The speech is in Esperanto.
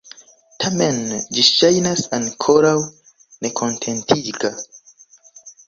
Tamen, ĝi ŝajnas ankoraŭ nekontentiga.